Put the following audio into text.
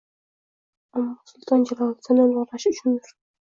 Ammo sulton Jaloliddinni ulug‘lash uchundir.